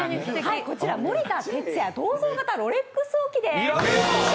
こちら、森田哲矢銅像型ロレックス置きです。